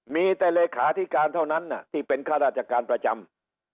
มีแต่เลขาธิการเท่านั้นที่เป็นข้าราชการประจำ